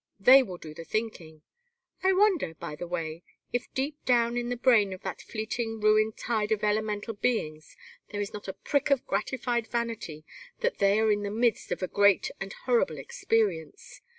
They will do the thinking. I wonder, by the way, if deep down in the brain of that fleeing ruined tide of elemental beings there is not a prick of gratified vanity that they are in the midst of a great and horrible experience?